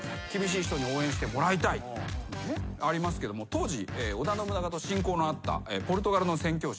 当時織田信長と親交のあったポルトガルの宣教師